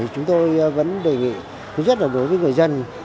chúng tôi vẫn đề nghị rất là đối với người dân